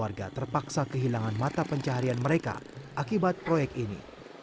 warga terpaksa kehilangan mata pencaharian mereka akibat proyek ini